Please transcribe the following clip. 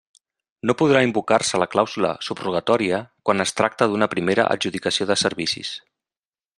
No podrà invocar-se la clàusula subrogatòria quan es tracte d'una primera adjudicació de servicis.